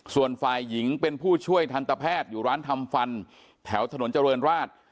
ส่วนฝ่ายหญิงเป็นผู้ช่วยทันตแพทย์อยู่ร้านทำฟันแถวถนนเจริญราช